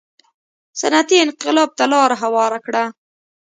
صنعتي انقلاب ته لار هواره کړه.